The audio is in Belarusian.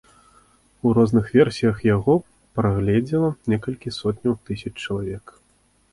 У розных версіях яго прагледзела некалькі сотняў тысяч чалавек.